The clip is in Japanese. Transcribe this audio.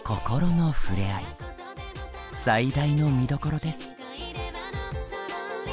最大の見どころです。